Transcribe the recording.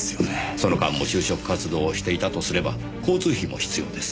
その間も就職活動をしていたとすれば交通費も必要です。